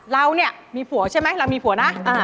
เราเนี่ยมีผัวใช่ไหมเรามีผัวนะ